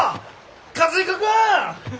和彦君！